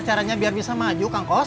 gimana caranya biar bisa maju kang kus